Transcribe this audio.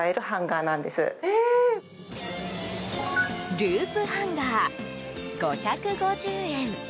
ループハンガー、５５０円。